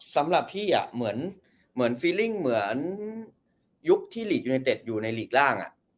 สำหรับพี่เหมือนยุคที่หลีกยูเนเต็ดอยู่ในหลีกร่าง